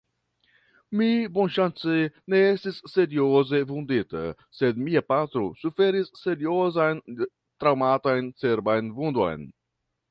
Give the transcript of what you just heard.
Mi bonŝance ne estis serioze vundita, sed mia patro suferis seriozan traŭmatan cerban vundon.